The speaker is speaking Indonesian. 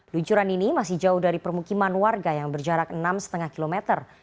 luncuran ini masih jauh dari permukiman warga yang berjarak enam lima kilometer